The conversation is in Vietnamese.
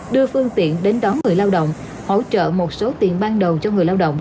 đưa phương tiện đến đón người lao động hỗ trợ một số tiền ban đầu cho người lao động